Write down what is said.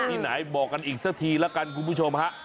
ที่ไหนบอกกันอีกสักทีละกันคุณผู้ชมฮะ